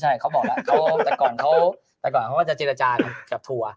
ใช่เค้าบอกก่อนเค้าจะเจรจรรย์กับทัวร์